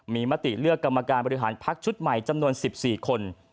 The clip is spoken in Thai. มีมติเลือกกรรมการบริหารพักชุดใหม่จำนวน๑๔คน